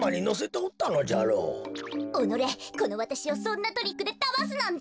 おのれこのわたしをそんなトリックでだますなんて！